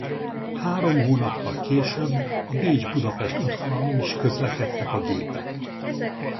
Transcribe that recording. Három hónappal később a Bécs-Budapest útvonalon is közlekedtek a gépek.